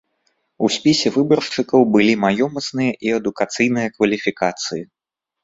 У спісе выбаршчыкаў былі маёмасныя і адукацыйныя кваліфікацыі.